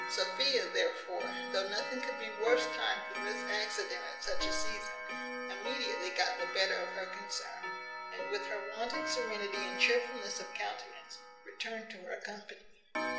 Sophia, therefore, though nothing could be worse timed than this accident at such a season, immediately got the better of her concern, and, with her wonted serenity and cheerfulness of countenance, returned to her company.